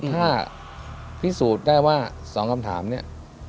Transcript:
ถ้าพิสูจน์ได้ว่า๒คำถามเนี่ย